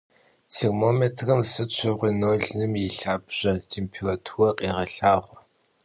Têrmomêtrım sıt şığui nolım yi lhabje têmpêrature khêğelhağue.